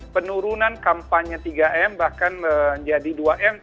penurunan kampanye tiga m bahkan menjadi dua m